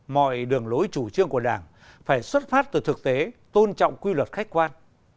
mọi đường lối chủ trương của đảng phải xuất phát từ thực tế tôn trọng quy luật khách quan